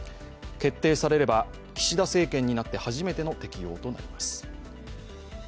決定されれば、岸田政権になって初めての適用となります。